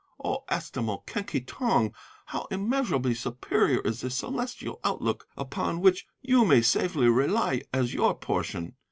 O estimable Quen Ki Tong, how immeasurably superior is the celestial outlook upon which you may safely rely as your portion!